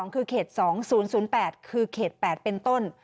คือเขต๒๐๐๘คือเขต๘เป็นต้น